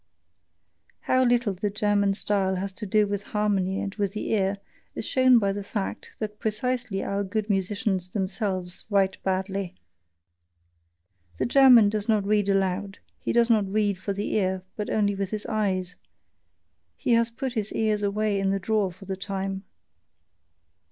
How little the German style has to do with harmony and with the ear, is shown by the fact that precisely our good musicians themselves write badly. The German does not read aloud, he does not read for the ear, but only with his eyes; he has put his ears away in the drawer for the time.